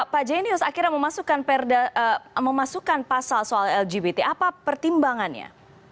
pak jenius akhirnya memasukkan pasal soal lgbt apa pertimbangannya